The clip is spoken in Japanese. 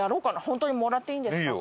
本当にもらっていいんですか？